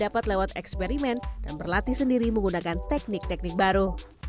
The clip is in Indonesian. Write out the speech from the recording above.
dia juga bisa berusaha untuk eksperimen dan berlatih sendiri menggunakan teknik teknik baru